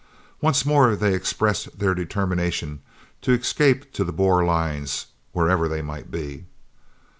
Once more they expressed their determination to escape to the Boer lines, wherever they might be.